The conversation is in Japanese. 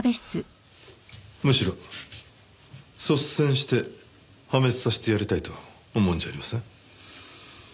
むしろ率先して破滅させてやりたいと思うんじゃありません？